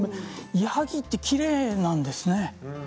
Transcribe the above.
ヤギってきれいなんですね。